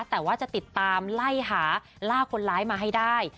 แต่ว่าจะติดตามไล่หาล่าคนร้ายมาให้ได้